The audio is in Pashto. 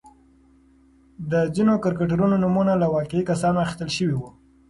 د ځینو کرکټرونو نومونه له واقعي کسانو اخیستل شوي وو.